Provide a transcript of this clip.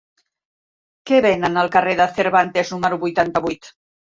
Què venen al carrer de Cervantes número vuitanta-vuit?